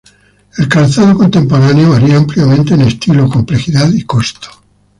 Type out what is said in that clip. El calzado contemporáneo varía ampliamente en estilo, complejidad y costo.